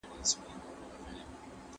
زړو ماشينونو ډيره زياته بريښنا مصرفوله.